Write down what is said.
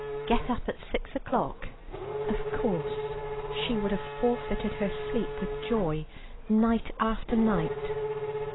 Get up at six o'clock, of course she would have forfeited her sleep with joy, night after night.